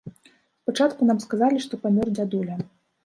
Спачатку нам сказалі, што памёр дзядуля.